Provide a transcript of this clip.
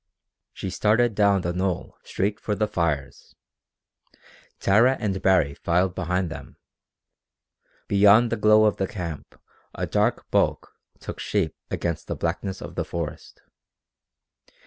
She started down the knoll straight for the fires. Tara and Baree filed behind them. Beyond the glow of the camp a dark bulk took shape against the blackness of the forest.